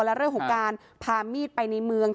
และเรื่องของการพามีดไปในเมือง